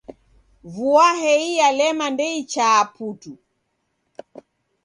Vua hei yalema ndeichaa putu.